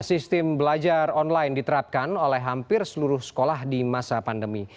sistem belajar online diterapkan oleh hampir seluruh sekolah di masa pandemi